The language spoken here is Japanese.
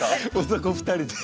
男２人で。